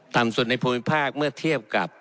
ต่ำสุดในภูมิภาคเมื่อเทียบกับ